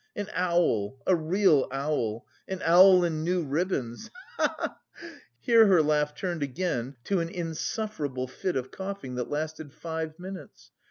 An owl, a real owl! An owl in new ribbons, ha ha ha!" Here her laugh turned again to an insufferable fit of coughing that lasted five minutes.